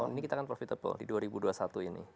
tahun ini kita kan profitable di dua ribu dua puluh satu ini